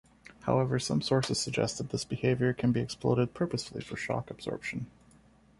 However, some sources suggest this behavior can be exploited purposely for shock absorption.